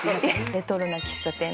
レトロな喫茶店とか。